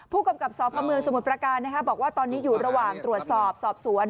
ผู้กำกับอนทรัพย์ภาคมือสมุนประการนะคะบอกว่าตอนนี้อยู่ระหว่างตรวจสอบสอบสวน